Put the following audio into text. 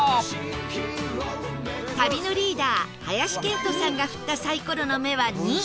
旅のリーダー林遣都さんが振ったサイコロの目は「２」